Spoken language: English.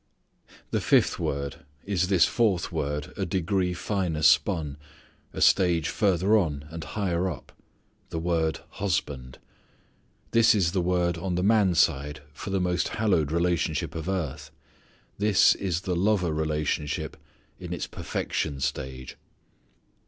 The fifth word is this fourth word a degree finer spun, a stage farther on, and higher up, the word husband. This is the word on the man side for the most hallowed relationship of earth. This is the lover relationship in its perfection stage.